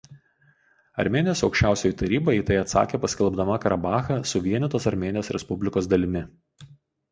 Armėnijos Aukščiausioji Taryba į tai atsakė paskelbdama Karabachą "suvienytos Armėnijos respublikos" dalimi.